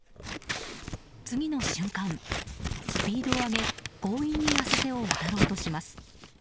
次の瞬間、スピードを上げ強引に浅瀬を渡ろうとします。